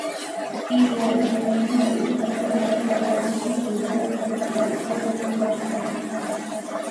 i la jme ukipenda kundi la hero justice and equality movement